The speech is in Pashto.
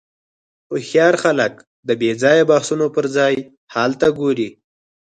هوښیار خلک د بېځایه بحثونو پر ځای حل ته ګوري.